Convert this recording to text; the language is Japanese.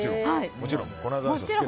もちろん。